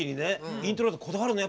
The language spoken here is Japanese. イントロってこだわるの？